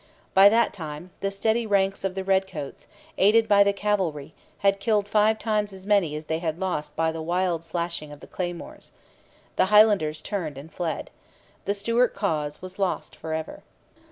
By that time the steady ranks of the redcoats, aided by the cavalry, had killed five times as many as they had lost by the wild slashing of the claymores. The Highlanders turned and fled. The Stuart cause was lost for ever.